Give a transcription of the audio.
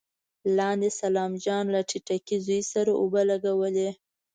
لاندې سلام جان له ټيټکي زوی سره اوبه لګولې.